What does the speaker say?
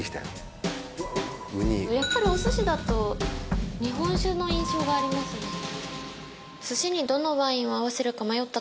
やっぱりお寿司だと日本酒の印象がありますねほう色